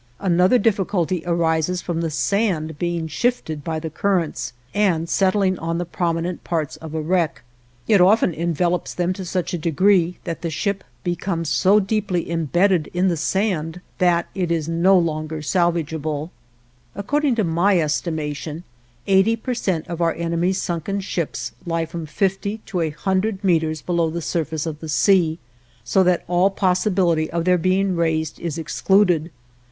Another difficulty arises from the sand being shifted by the currents, and settling on the prominent parts of a wreck; it often envelops them to such a degree that the ship becomes so deeply embedded in the sand that it is no longer salvable. According to my estimation eighty per cent of our enemy's sunken ships lie from fifty to a hundred meters below the surface of the sea, so that all possibility of their being raised is excluded.